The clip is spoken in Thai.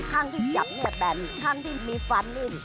ข้างที่กัดจับในแบนทางที่มีฟานนี่